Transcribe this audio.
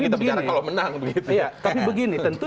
tapi begini tentu